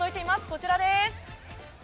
こちらです。